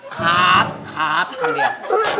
ครับครับครั้งเดียว